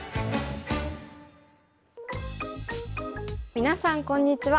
皆さんこんにちは。